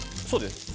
そうです。